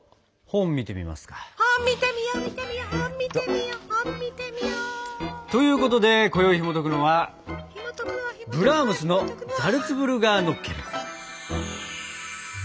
本見てみよう見てみよう本見てみよう本見てみよう。ということでこよいひもとくのは「ブラームスのザルツブルガーノッケルン」。